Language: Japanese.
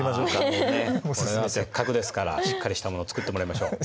もうねこれはせっかくですからしっかりしたもの作ってもらいましょう。